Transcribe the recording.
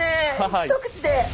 一口で。